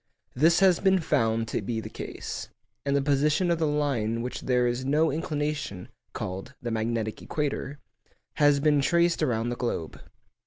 This has been found to be the case, and the position of the line along which there is no inclination (called the magnetic equator) has been traced around the globe.